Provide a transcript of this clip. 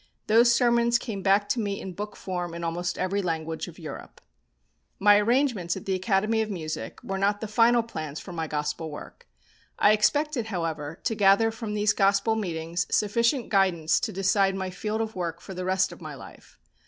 Those sermons came back to me in book form in almost every language of Europe. My arrangements at the Academy of Music were not the final plans for my Gospel work. I expected, however, to gather from these Gospel meetings sufficient guidance to decide my field of work for the rest of my life.